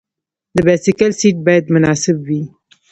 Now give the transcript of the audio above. د بایسکل سیټ باید مناسب وي.